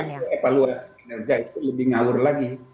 ya itu evaluasi kinerja itu lebih ngawur lagi